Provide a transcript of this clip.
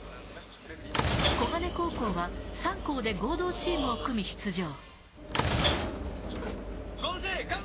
小金高校は、３校で合同チームを組み出場。